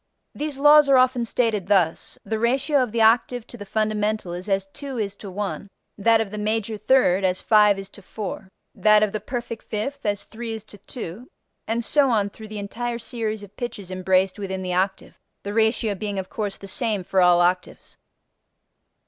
These laws are often stated thus: the ratio of the octave to the fundamental is as two is to one; that of the major third as five is to four; that of the perfect fifth as three is to two, and so on through the entire series of pitches embraced within the octave, the ratio being of course the same for all octaves.